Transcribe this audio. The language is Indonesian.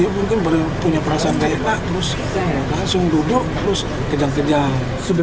mungkin punya perasaan tidak enak terus langsung duduk terus kejang kejang